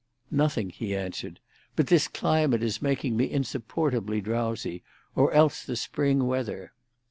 "Nothing," he answered. "But this climate is making me insupportably drowsy; or else the spring weather."